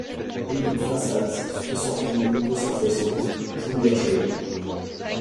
Rue de Pfastatt, soixante-huit mille deux cent soixante Kingersheim